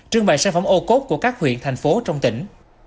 trương bài sản phẩm ô cốt của các huyện thành phố trong tỉnh